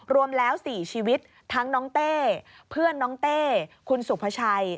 รวมแล้ว๔ชีวิตทั้งน้องเต้เพื่อนน้องเต้คุณสุภาชัย